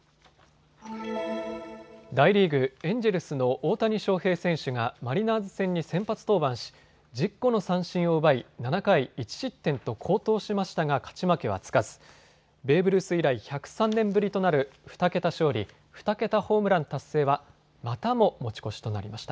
大リーグ、エンジェルスの大谷翔平選手がマリナーズ戦に先発登板し１０個の三振を奪い７回１失点と好投しましたが勝ち負けはつかずベーブ・ルース以来１０３年ぶりとなる２桁勝利、２桁ホームラン達成はまたも、持ち越しとなりました。